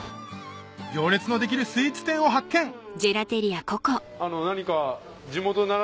行列のできるスイーツ店を発見何か。